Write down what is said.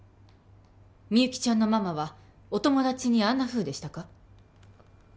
みゆきちゃんのママはお友達にあんなふうでしたか？